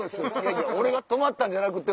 俺が泊まってたんじゃなくて。